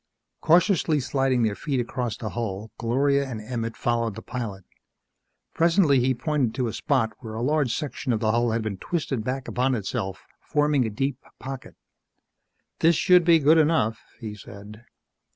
Cautiously sliding their feet across the hull, Gloria and Emmett followed the pilot. Presently he pointed to a spot where a large section of the hull had been twisted back upon itself, forming a deep pocket. "This should be good enough," he said.